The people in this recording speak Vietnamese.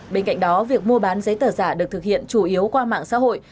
bên cạnh đó việc mua bán giấy tờ giả được thực hiện chủ yếu qua mạng xã hội